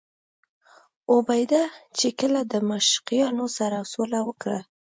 ابوعبیده چې کله له دمشقیانو سره سوله وکړه.